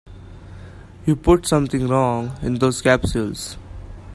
You put something wrong in those capsules.